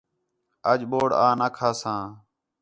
اَڄ بوڑ آں نہ کھا سا